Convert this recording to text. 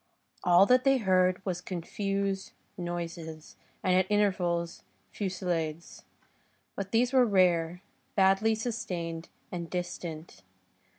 All that they heard was confused noises, and at intervals, fusillades; but these were rare, badly sustained and distant.